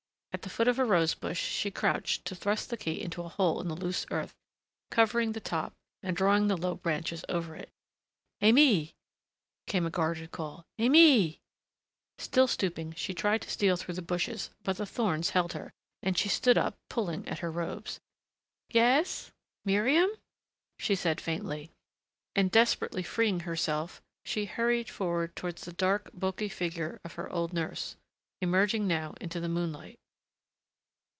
At the foot of a rose bush she crouched to thrust the key into a hole in the loose earth, covering the top and drawing the low branches over it. "Aimée," came a guarded call. "Aimée!" Still stooping, she tried to steal through the bushes, but the thorns held her and she stood up, pulling at her robes. "Yes? Miriam?" she said faintly, and desperately freeing herself, she hurried forward towards the dark, bulky figure of her old nurse, emerging now into the moonlight.